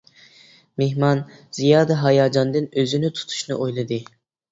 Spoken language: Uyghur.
مېھمان زىيادە ھاياجاندىن ئۆزىنى تۇتۇشنى ئويلىدى.